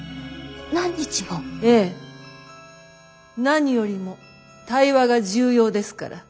何よりも対話が重要ですから。